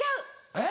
えっ？